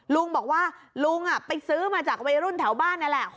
ลุงบอกว่าลุงไปซื้อมาจากวัยรุ่นแถวบ้านนั่นแหละ